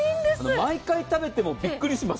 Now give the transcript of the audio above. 毎回食べてもびっくりします。